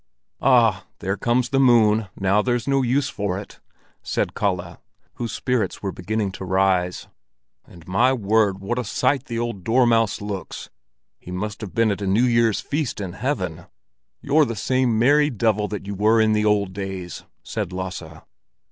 "Ah, there comes the moon, now there's no use for it!" said Kalle, whose spirits were beginning to rise. "And, my word, what a sight the old dormouse looks! He must have been at a New Year's feast in heaven." "You're the same merry devil that you were in the old days," said Lasse.